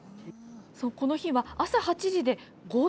この日は朝８時で５度。